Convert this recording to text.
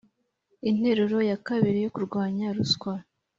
interuro ya kabiri yo kurwanya ruswa